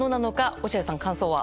落合さん、感想は？